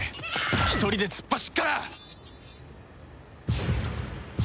１人で突っ走っから。